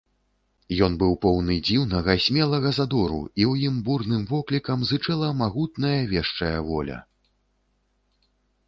Ён быў поўны дзіўнага, смелага задору, у ім бурным воклікам зычэла магутная вешчая воля.